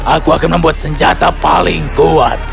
aku akan membuat senjata paling kuat